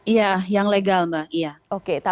iya yang legal mbak